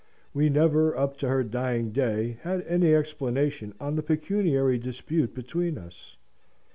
We never, up to her dying day, had any explanation on the pecuniary dispute between us.